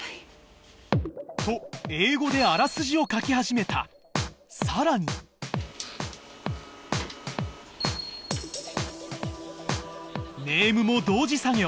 と英語であらすじを書き始めたさらにネームも同時作業